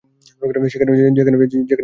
যেখানে পৌছতে চাইছিলা?